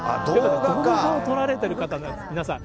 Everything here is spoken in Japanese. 動画を撮られてる方が、皆さん。